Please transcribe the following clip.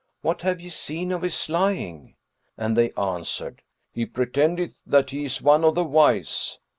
"What have ye seen of his lying?"; and they answered, "He pretendeth that he is one of the wise!